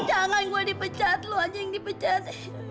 jangan gue dipecat lo aja yang dipecat